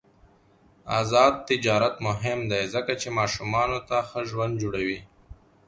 آزاد تجارت مهم دی ځکه چې ماشومانو ته ښه ژوند جوړوي.